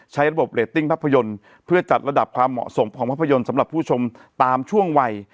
ใช้ระบบเรตติ้งภาพยนตร์เพื่อจัดระดับความเหมาะสมของภาพยนตร์สำหรับผู้ชมตามช่วงวัย